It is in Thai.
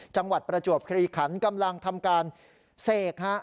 ประจวบคลีขันกำลังทำการเสกฮะ